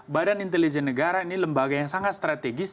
badan intelijen negara ini lembaga yang sangat strategis